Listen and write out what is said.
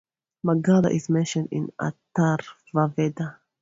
Magadha is mentioned in Atharvaveda.